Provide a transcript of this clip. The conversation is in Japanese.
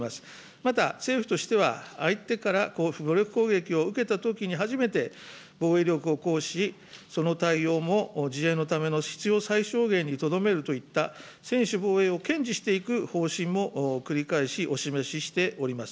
また政府としては、相手から武力攻撃を受けたときに初めて、防衛力を行使し、そのたいようも自衛のための必要最小限にとどめるといった専守防衛を堅持していく方針も繰り返しお示ししております。